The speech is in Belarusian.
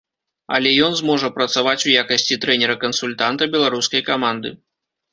Але ён зможа працаваць у якасці трэнера-кансультанта беларускай каманды.